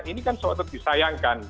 ini kan seotot disayangkan